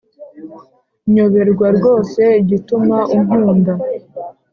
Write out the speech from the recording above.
nyoberwa rwose igituma unkunda